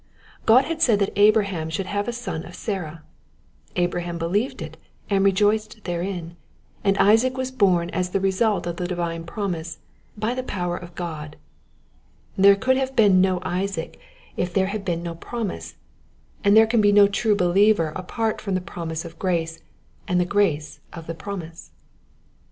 God had said that Abraham should have a son of Sarah ; Abraham believed it, and rejoiced therein, and Isaac was born as the re sult of the divine promise, by the power of God. There could have been no Isaac if there had been The Two Seeds. ii no promise, and there can be no true believer apart from the promise of grace, and the grace of the promise.